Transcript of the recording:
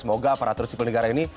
semoga aparatur sipil negara ini